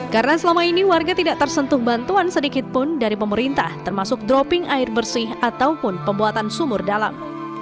karena selama ini warga tidak tersentuh bantuan sedikitpun dari pemerintah termasuk dropping air bersih ataupun pembuatan sumur dalam